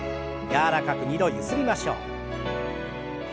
柔らかく２度ゆすりましょう。